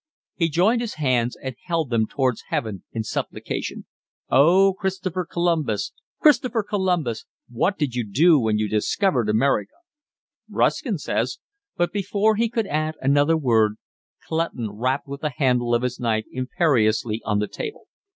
He joined his hands and held them towards heaven in supplication. "Oh, Christopher Columbus, Christopher Columbus, what did you do when you discovered America?" "Ruskin says…" But before he could add another word, Clutton rapped with the handle of his knife imperiously on the table.